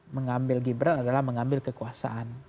mengambil gibran adalah mengambil kekuasaan